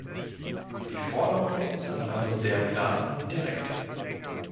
Die Forderungen sind also sehr klar und direkt.